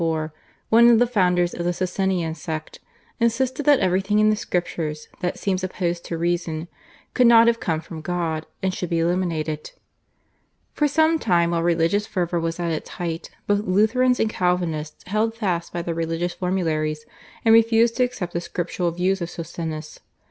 Faustus Socinus (1539 1604), one of the founders of the Socinian sect, insisted that everything in the Scriptures that seems opposed to reason could not have come from God and should be eliminated. For some time while religious fervour was at its height both Lutherans and Calvinists held fast by their religious formularies and refused to accept the scriptural views of Socinus.